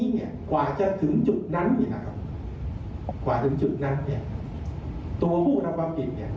ตัวผู้นำว่าผิดคลอดนั้นแน่นอน